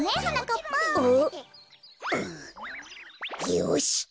よし！